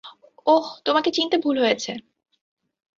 ওহ, তোমাকে চিনতে ভুল হয়েছে।